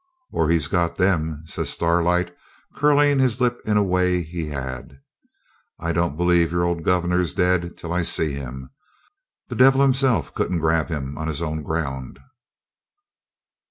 'Or he's got them!' says Starlight, curling his lip in a way he had. 'I don't believe your old governor's dead till I see him. The devil himself couldn't grab him on his own ground.'